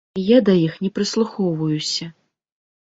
Я да іх не прыслухоўваюся.